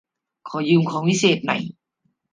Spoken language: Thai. ขอยืมของวิเศษหน่อย